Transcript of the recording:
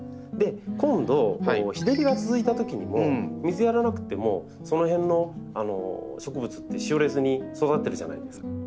今度日照りが続いたときにも水やらなくってもその辺の植物ってしおれずに育ってるじゃないですか。